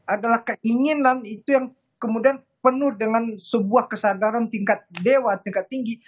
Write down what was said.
adalah keinginan itu yang kemudian penuh dengan sebuah kesadaran tingkat dewa tingkat tinggi